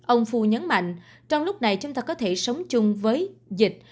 ông phu nhấn mạnh trong lúc này chúng ta có thể sống chung với dịch